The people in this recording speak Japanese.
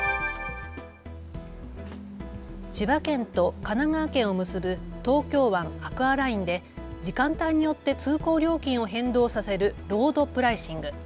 千葉県と神奈川県を結ぶ東京湾アクアラインで時間帯によって通行料金を変動させるロードプライシング。